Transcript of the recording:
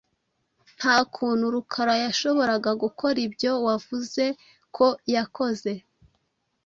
Nta kuntu Rukara yashoboraga gukora ibyo wavuze ko yakoze.